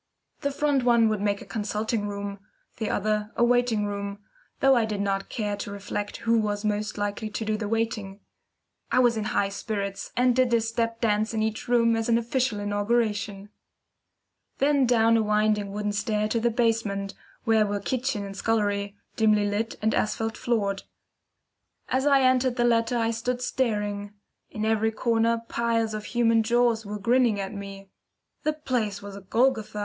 The front one would make a consulting room, the other a waiting room, though I did not care to reflect who was most likely to do the waiting. I was in the highest spirits, and did a step dance in each room as an official inauguration. Then down a winding wooden stair to the basement, where were kitchen and scullery, dimly lit, and asphalt floored. As I entered the latter I stood staring. In every corner piles of human jaws were grinning at me. The place was a Golgotha!